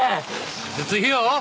手術費用！？